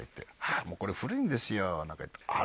もうこれ古いんですよなんか言ってああ